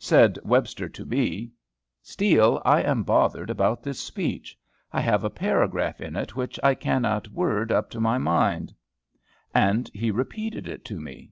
Said Webster to me, "Steele, I am bothered about this speech: I have a paragraph in it which I cannot word up to my mind." And he repeated it to me.